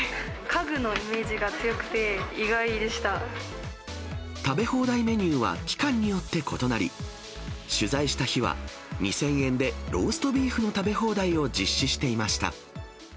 家具のイメージが強くて意外食べ放題メニューは期間によって異なり、取材した日は、２０００円でローストビーフの食べ放題を実施していました。